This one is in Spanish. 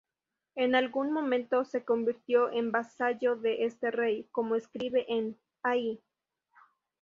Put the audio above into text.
En algún momento se convirtió en vasallo de este rey, como escribe en "Ai!